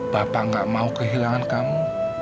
bapak gak mau kehilangan kamu